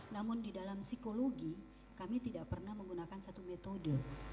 namun di dalam psikologi kami tidak pernah menggunakan satu metode